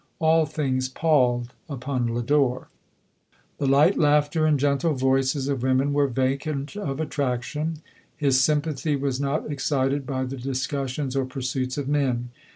All tilings palled upon Lodore. The light laughter and gentle voices of women were vacant of attraction ; his sym pathy was not excited by the discussions or pursuits of men.